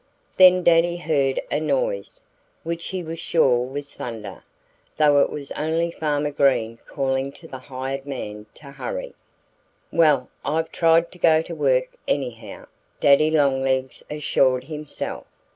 Then Daddy heard a noise, which he was sure was thunder though it was only Farmer Green calling to the hired man to hurry. "Well, I've tried to go to work, anyhow," Daddy Longlegs assured himself.